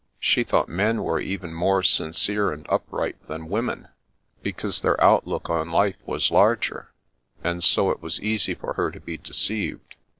She thought men were even more sincere and upright than women, because their outlook on life was larger, and so it was easy for her to be deceived.